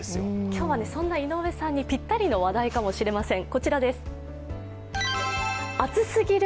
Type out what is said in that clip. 今日はそんな井上さんにぴったりの話題かもしれません。